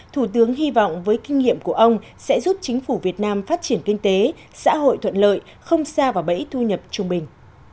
thủ tướng hy vọng với kinh nghiệm của ông sẽ giúp chính phủ việt nam phát triển kinh tế xã hội thuận lợi không xa vào bẫy thu nhập trung bình